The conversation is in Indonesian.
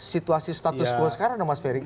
situasi status quo sekarang ya mas fery